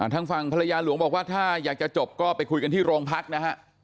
ทั้งฟังภรรยาหลวงบอกว่าถ้าอยากจะจบไปคุยกันที่โรงพักษ์นะครับ